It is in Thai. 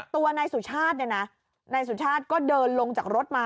ตัวนายสุชาติเนี่ยนะนายสุชาติก็เดินลงจากรถมา